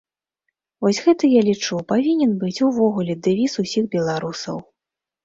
Вось гэта, я лічу, павінен быць увогуле дэвіз усіх беларусаў.